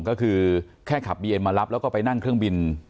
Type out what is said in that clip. ก็คือแค่ขับบีเอ็นมารับแล้วก็ไปนั่งเครื่องบิน